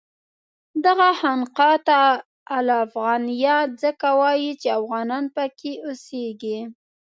دغه خانقاه ته الافغانیه ځکه وایي چې افغانان پکې اوسېږي.